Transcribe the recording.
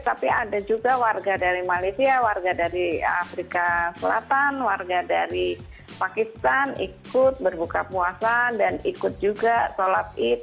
tapi ada juga warga dari malaysia warga dari afrika selatan warga dari pakistan ikut berbuka puasa dan ikut juga sholat id